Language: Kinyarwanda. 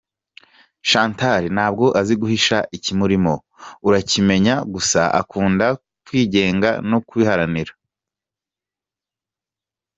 Chantal ntabwo azi guhisha ikimurimo urakimenya gusa akunda kwigenga no kubiharanira.